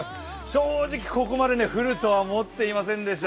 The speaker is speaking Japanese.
正直、ここまでは降ると思っていませんでした。